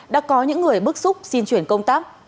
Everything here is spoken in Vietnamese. đã có những người bức xúc xin chuyển công tác